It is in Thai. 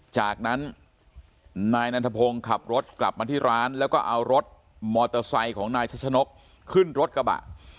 จากนั้นนายนันทพงศ์ขับรถกลับมาที่ร้านแล้วก็เอารถมอเตอร์ไซค์ของนายชัชนกขึ้นรถกระบะ